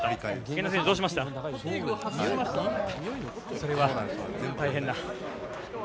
それは大変だ。